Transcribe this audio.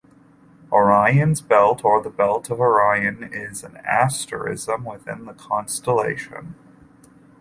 Orion's Belt or The Belt of Orion is an asterism within the constellation.